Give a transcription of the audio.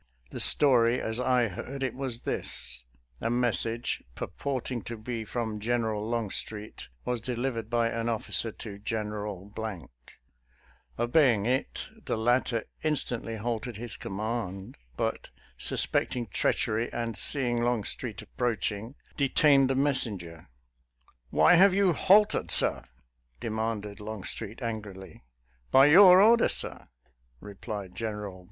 The story, as I heard it, was this : A mes sage, purporting to be from General Longstreet, was delivered by an of&cer to General Obeying it, the latter instantly halted his com mand, but, suspecting treachery and seeing Long street approaching, detained the messenger, " Why have you halted, sir? " demanded Long street angrily. " By your order, sir? " replied General